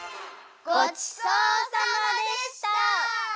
ごちそうさまでした！